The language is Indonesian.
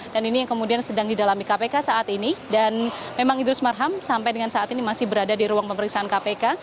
dan ini kemudian sedang didalami kpk saat ini dan memang idris marham sampai dengan saat ini masih berada di ruang pemeriksaan kpk